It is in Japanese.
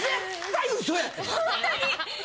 ホントに。